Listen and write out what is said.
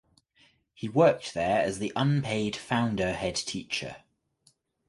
He worked there as the unpaid founder head teacher.